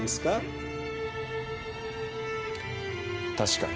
確かに。